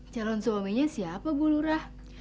calon suaminya siapa bu lurah